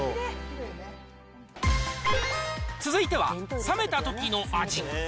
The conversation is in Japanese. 続いては冷めたときの味。